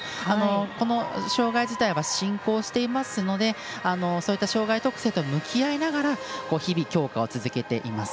この障がい自体は進行していますのでそういった障がい特性と向き合いながら日々強化を続けています。